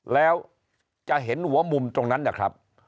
แล้วจะเห็นหัวมุมตรงนั้นนะครับ